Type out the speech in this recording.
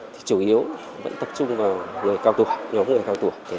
thì chủ yếu vẫn tập trung vào người cao tùa nhóm người cao tùa